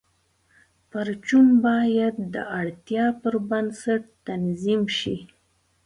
پرچون باید د اړتیا پر بنسټ تنظیم شي.